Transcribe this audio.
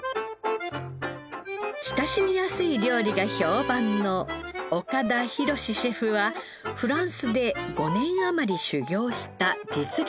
親しみやすい料理が評判の岡田宏シェフはフランスで５年余り修業した実力派。